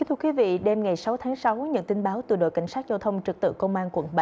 thưa quý vị đêm ngày sáu tháng sáu nhận tin báo từ đội cảnh sát giao thông trực tự công an quận ba